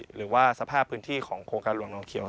หรือว่าสภาพพื้นที่ของโครงการหลวงนงเขียว